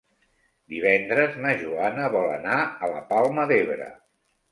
Divendres na Joana vol anar a la Palma d'Ebre.